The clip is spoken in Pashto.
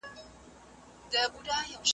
ماته مه وایه چي نه یې پوهېدلی .